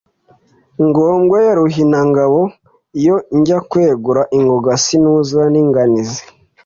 ngombwa ya Runihangabo, iyo njya kwegura ingogo sinuzura n' inganizi. »